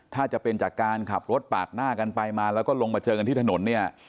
ถ้าจะเป็นจากการขับรถปาดหน้ากันไปมาแล้วก็ลงมาเจอกันที่ถนนเนี่ย